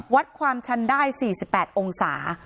วัดความชันได้๔๘องศา